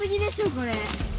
これ。